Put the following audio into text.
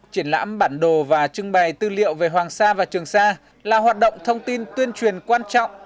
triển lãm bản đồ và trưng bày tư liệu về hoàng sa và trường sa là hoạt động thông tin tuyên truyền quan trọng